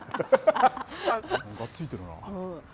がっついてるな。